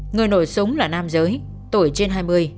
người nổi sống là nam giới tuổi trên hai mươi